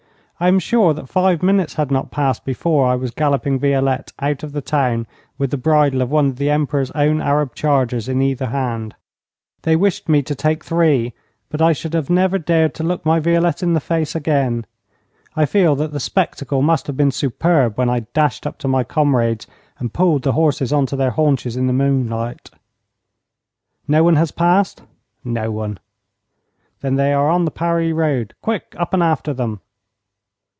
I am sure that five minutes had not passed before I was galloping Violette out of the town with the bridle of one of the Emperor's own Arab chargers in either hand. They wished me to take three, but I should have never dared to look my Violette in the face again. I feel that the spectacle must have been superb when I dashed up to my comrades and pulled the horses on to their haunches in the moonlight. 'No one has passed?' 'No one.' 'Then they are on the Paris road. Quick! Up and after them!'